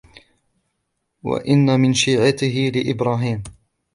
وإن من شيعته لإبراهيم